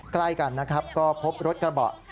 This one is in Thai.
ใกล้กันนะครับก็พบรถกระบะ